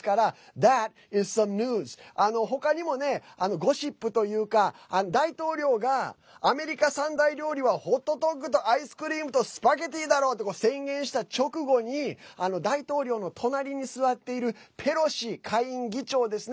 Ｔｈａｔ’ｓｓｏｍｅｎｅｗｓ．他にもね、ゴシップというか大統領が、「アメリカ三大料理はホットドッグとアイスクリームとスパゲッティだろう！」と宣言した直後に大統領の隣に座っているペロシ下院議長ですね